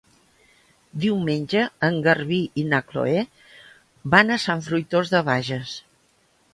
Diumenge en Garbí i na Chloé van a Sant Fruitós de Bages.